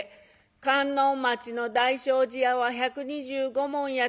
「観音町の大正寺屋は１２５文やてな」。